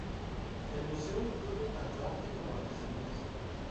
El museo incluye tanto arte como artesanías.